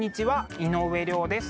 井上涼です。